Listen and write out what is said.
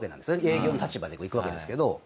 営業の立場で行くわけですけど。